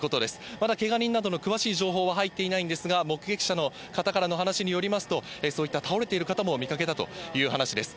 まだけが人などの詳しい情報は入っていないんですが、目撃者の方からの話によりますと、そういった倒れている方も見かけたという話です。